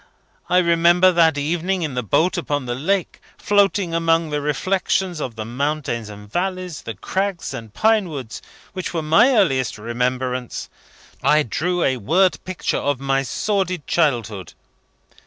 I remember, that evening in the boat upon the lake, floating among the reflections of the mountains and valleys, the crags and pine woods, which were my earliest remembrance, I drew a word picture of my sordid childhood.